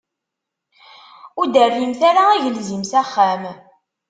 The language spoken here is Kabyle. Ur d-terrimt ara agelzim s axxam.